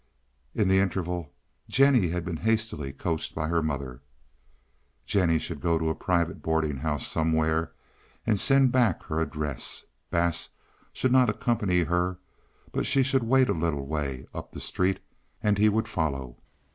In the interval Jennie had been hastily coached by her mother. Jennie should go to a private boarding house somewhere, and send back her address. Bass should not accompany her, but she should wait a little way up the street, and he would follow.